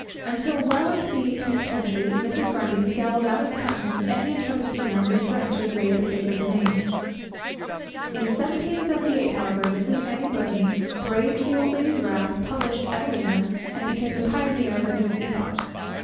Until well into the eighteenth century, Mrs. Grundy scowled out of countenance any intrepid female who threatened to invade the sacred domain. In 1778, however, Miss Fanny Burney braved the old lady's wrath, published Evelina, and became the pioneer of a new epoch.